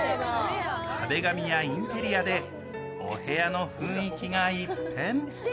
壁紙やインテリアでお部屋の雰囲気が一変。